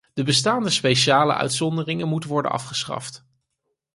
De bestaande speciale uitzonderingen moeten worden afgeschaft.